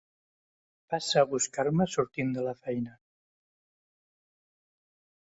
Passa a buscar-me sortint de la feina.